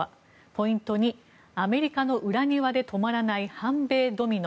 ポイント２、アメリカの裏庭で止まらない反米ドミノ。